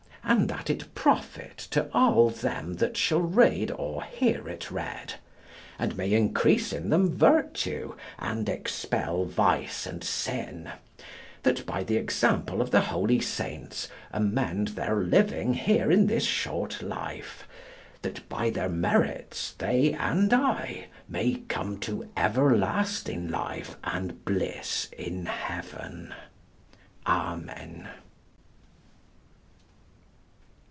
and that it profit to all them that shall read or hear it read, and may increase in them virtue, and expel vice and sin, that by the example of the holy saints amend their living here in this short life, that by their merits they and I may come to everlasting life and bliss in Heaven. Amen.